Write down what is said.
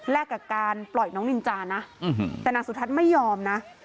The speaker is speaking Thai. กับการปล่อยน้องนินจานะแต่นางสุทัศน์ไม่ยอมนะ